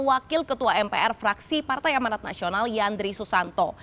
wakil ketua mpr fraksi partai amanat nasional yandri susanto